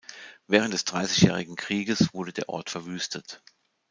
Während des Dreißigjährigen Krieges wurde der Ort verwüstet.